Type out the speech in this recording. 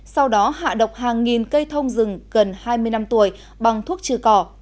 sau đó hạ độc hàng nghìn cây thông rừng gần hai mươi năm tuổi bằng thuốc trừ cỏ